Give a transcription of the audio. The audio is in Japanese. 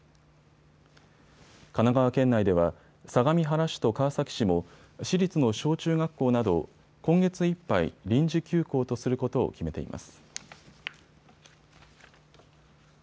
神奈川県内では相模原市と川崎市も市立の小中学校などを今月いっぱい、臨時休校とすることを決めています。